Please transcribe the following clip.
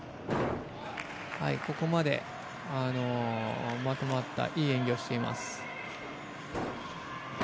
ここまでまとまったいい演技をしています。